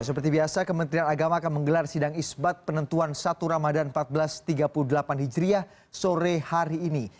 seperti biasa kementerian agama akan menggelar sidang isbat penentuan satu ramadhan seribu empat ratus tiga puluh delapan hijriah sore hari ini